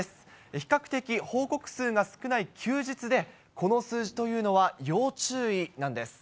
比較的報告数が少ない休日で、この数字というのは、要注意なんです。